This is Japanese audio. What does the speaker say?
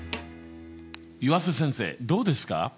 湯浅先生どうですか？